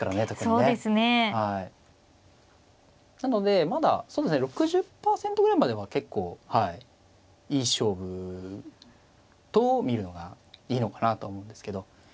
なのでまだそうですね６０％ぐらいまでは結構いい勝負と見るのがいいのかなと思うんですけど。